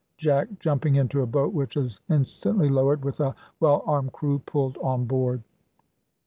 Jack, jumping into a boat, which was instantly lowered with a well armed crew, pulled on board.